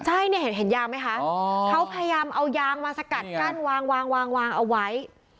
ใช่เนี่ยเห็นยางไหมคะเขาพยายามเอายางมาสกัดกั้นวางวางเอาไว้